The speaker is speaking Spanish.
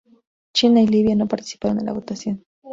China y Libia no participaron en la votación.